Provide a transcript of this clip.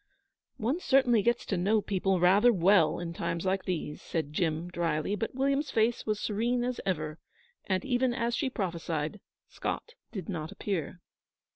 'One certainly gets to know people rather well in times like these,' said Jim, drily; but William's face was serene as ever, and, even as she prophesied, Scott did not appear.